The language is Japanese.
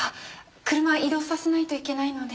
車移動させないといけないので。